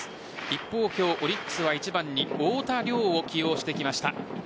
一方、今日オリックスは１番に太田椋を起用してきました。